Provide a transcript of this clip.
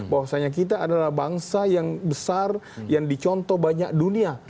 bahwasanya kita adalah bangsa yang besar yang dicontoh banyak dunia